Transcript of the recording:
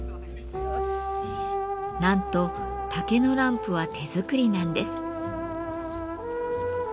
なんと竹のランプは手作りなんです。